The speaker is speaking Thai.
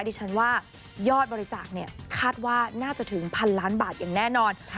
ดิฉันว่ายอดบริจาคเนี่ยคาดว่าน่าจะถึงพันล้านบาทอย่างแน่นอน